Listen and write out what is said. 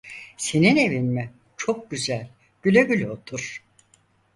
Senin evin mi, çok güzel, güle güle otur.